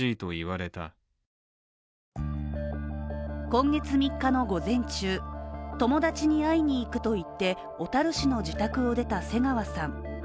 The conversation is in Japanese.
今月３日の午前中、友達に会いにいくと言って小樽市の自宅を出た瀬川さん。